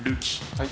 はい。